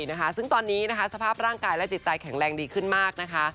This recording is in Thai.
นะคะซึ่งตอนนี้นะคะสภาพร่างกายและจิตใจแข็งแรงดีขึ้นมากนะคะ